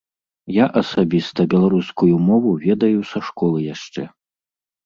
Я асабіста беларускую мову ведаю са школы яшчэ.